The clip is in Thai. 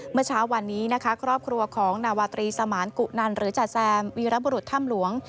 เมื่อเช้าวันนี้นะคะครอบครัวของนาวาตรีสมานกุนันหรือจ่าแซมวีรบุรุษถ้ำหลวง